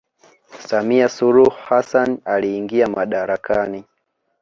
Samia suluhu Hasasn aliingia madarakani